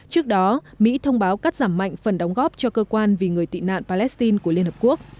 trước đó mỹ thông báo cắt giảm mạnh phần đóng góp cho cơ quan vì người tị nạn palestine của liên hợp quốc